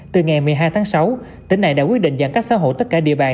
từ ngày một mươi hai tháng sáu tỉnh này đã quyết định giãn cách xã hội tất cả địa bàn